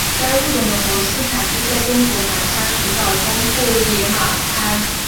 该物种的模式产地在中国南沙群岛东部野马滩。